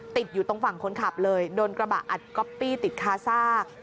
ติดอยู่ตรงฝั่งคนขับเลยโดนกระบะอัดก๊อปปี้ติดคาซ่า